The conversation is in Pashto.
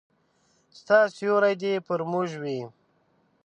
ستا سیوری دي پر موږ وي